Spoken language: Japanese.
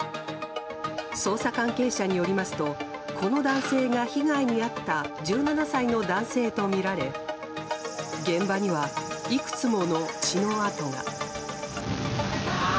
捜査関係者によりますとこの男性が被害に遭った１７歳の男性とみられ現場にはいくつもの血の痕が。